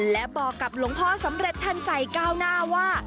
และบอกกับหลวงพ่อสำเร็จทันใจก้าวหน้าว่า